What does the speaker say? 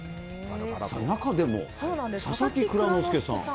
中でも、佐々木蔵之介さん。